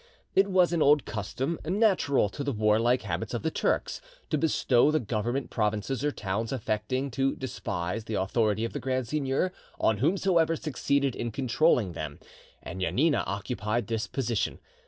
It was an old custom, natural to the warlike habits of the Turks, to bestow the Government provinces or towns affecting to despise the authority of the Grand Seigneur on whomsoever succeeded in controlling them, and Janina occupied this position.